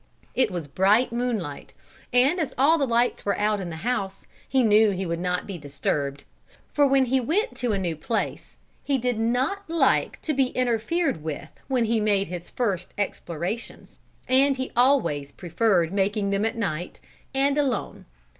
It was bright moonlight, and as all the lights were out in the house, he knew he would not be disturbed, for when he went to a new place he did not like to be interfered with when he made his first explorations, and he always preferred making them at night, and alone.